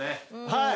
はい。